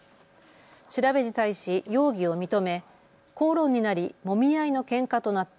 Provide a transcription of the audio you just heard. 調べに対し容疑を認め口論になり、もみ合いのけんかとなった。